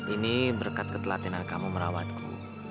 ini berkat ketelatenan kamu merawatku